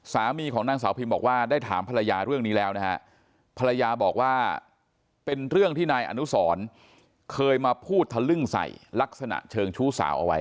สามีของนางสาวพิมบอกว่าได้ถามภรรยาเรื่องนี้แล้วนะฮะภรรยาบอกว่าเป็นเรื่องที่นายอนุสรเคยมาพูดทะลึ่งใส่ลักษณะเชิงชู้สาวเอาไว้